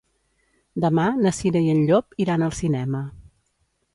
Demà na Cira i en Llop iran al cinema.